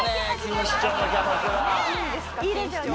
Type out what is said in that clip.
いいですよ。